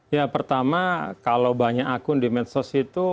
ya pertama kalau banyak akun di medsos itu